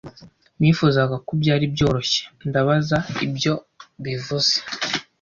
Nifuzaga ko byari byoroshye. Ndabaza ibyo bivuze.